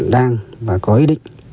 đang và có ý định